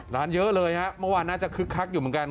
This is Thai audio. เยอะเลยฮะเมื่อวานน่าจะคึกคักอยู่เหมือนกัน